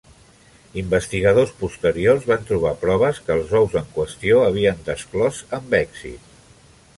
Investigadors posteriors van trobar proves que els ous en qüestió havien desclòs amb èxit.